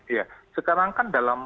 iya sekarang kan dalam